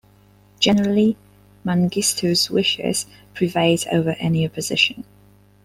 Generally, Mengistu's wishes prevailed over any opposition.